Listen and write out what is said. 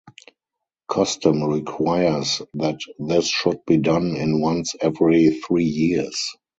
Custom requires that this should be done in once every three years.